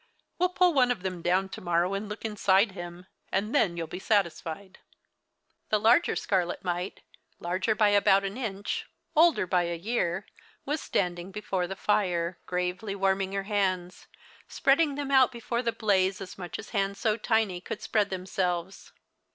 We'll pull one of them down to mor row and look inside him ; and then you'll be satisfied." The larger scarlet mite, larger by about an inch, older by a year, was standing be fore the fire, gravely warming her hands, spreading them out before the blaze as much as hands so tiny could spread them selves.